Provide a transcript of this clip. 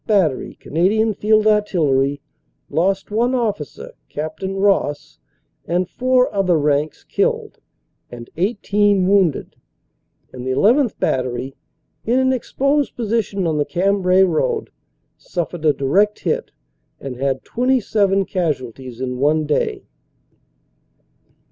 Battery, Canadian Field Artillery, lost one officer, Capt. Ross, and four other ranks killed, and 18 wounded, and the llth. Battery, in an exposed position on the Cambrai road, suffered a direct hit and had 27 casualties in one day.